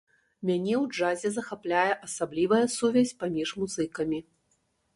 Мяне ў джазе захапляе асаблівая сувязь паміж музыкамі.